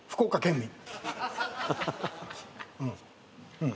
うん。